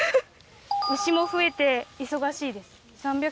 牛も増えて、忙しいです。